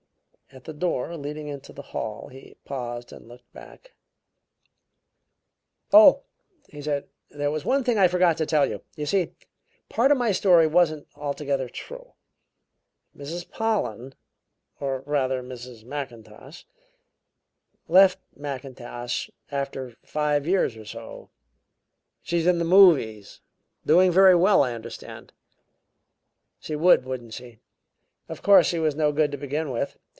At the door leading into the hall he paused and looked back "Oh," he said, "there was one thing I forgot to tell you! You see, part of my story wasn't altogether true. Mrs. Pollen or rather, Mrs. Mackintosh left Mackintosh after five years or so. She's in the movies doing very well, I understand. She would; wouldn't she? Of course, she was no good to begin with.